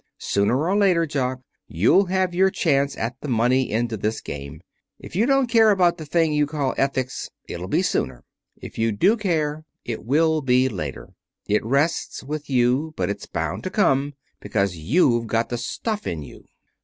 Sooner or later, Jock, you'll have your chance at the money end of this game. If you don't care about the thing you call ethics, it'll be sooner. If you do care, it will be later. It rests with you, but it's bound to come, because you've got the stuff in you."